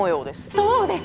そうです！